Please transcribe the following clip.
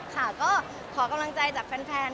ค่ะก็ขอกำลังใจจากแฟน